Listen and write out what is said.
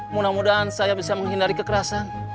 mudah mudahan saya bisa menghindari kekerasan